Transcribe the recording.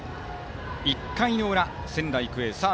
１回の裏、仙台育英。